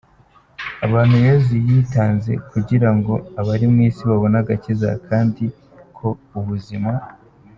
abantu Yesu yitanze kugirango abari mwisi babone agakiza kandi ko ubuzima.